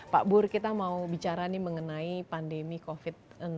pak bur kita mau bicara nih mengenai pandemi covid sembilan belas